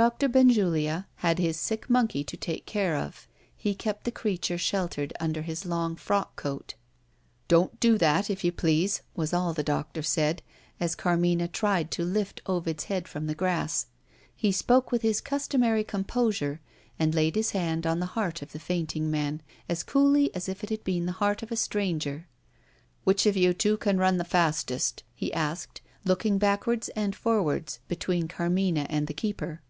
Doctor Benjulia had his sick monkey to take care of. He kept the creature sheltered under his long frock coat. "Don't do that, if you please," was all the doctor said, as Carmina tried to lift Ovid's head from the grass. He spoke with his customary composure, and laid his hand on the heart of the fainting man, as coolly as if it had been the heart of a stranger. "Which of you two can run the fastest?" he asked, looking backwards and forwards between Carmina and the keeper.